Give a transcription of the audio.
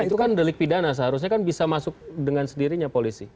itu kan delik pidana seharusnya kan bisa masuk dengan sendirinya polisi